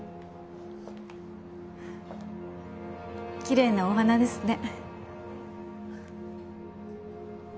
きれいなお花ですね。